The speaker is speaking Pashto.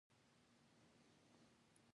ایا غږ مو بدل شوی دی؟